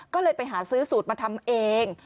ก็เลยไปหาซื้อสูตรมาทำเอง